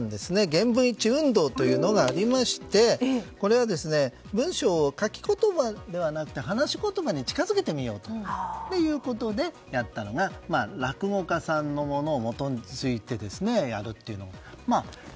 言文一致運動というのがあってこれは、文章を書き言葉ではなくて話し言葉に近づけてみようということでやったのが、落語家さんのものに基づいてやるっていう。